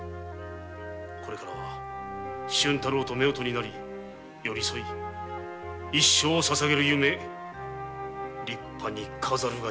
これからは俊太郎と夫婦になり寄り添い一生をささげる夢立派に飾るがよいぞ。